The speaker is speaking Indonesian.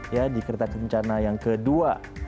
ya di kereta kencana yang kedua